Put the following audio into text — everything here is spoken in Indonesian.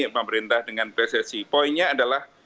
pemerintah dengan pssi poinnya adalah